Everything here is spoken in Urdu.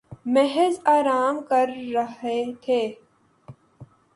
محض آرام کررہے تھے